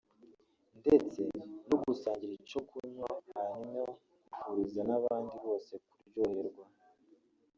ndetse no gusangira icyo kunywa hanyuma ifuriza n’abandi bose kuryoherwa